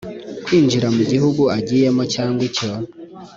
kwinjira mu gihugu agiyemo cyangwa icyo